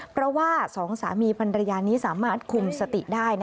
เพราะว่าสองสามีพันรยานี้สามารถคุมสติได้